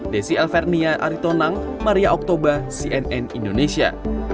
desi elvernia aritonang maria oktober cnn indonesia